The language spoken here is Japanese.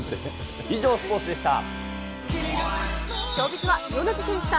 以上、スポーツでした。